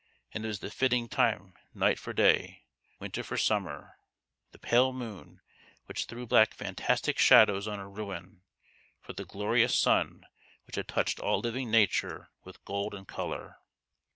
And it was the fitting time night for day; winter for summer; the pale moon, which threw black fantastic shadows on a ruin, for the glorious sun which had touched all living nature with gold and colour.